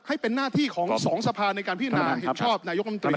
ให้เป็นหน้าที่ของสองสภาในการพิจารณาเห็นชอบนายกรรมตรี